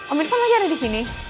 om irfan lagi ada di sini